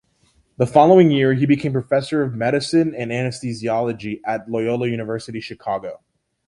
The following year he became Professor of Medicine and Anesthesiology at Loyola University Chicago.